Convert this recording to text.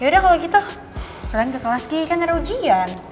yaudah kalau gitu kelan ke kelas g kan ada ujian